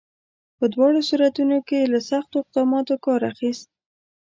په دواړو صورتونو کې یې له سختو اقداماتو کار اخیست.